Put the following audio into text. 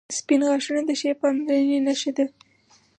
• سپین غاښونه د ښې پاملرنې نښه ده.